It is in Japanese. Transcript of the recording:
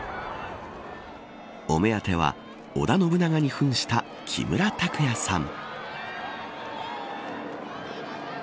お目当ては織田信長にふんした木村拓哉さん。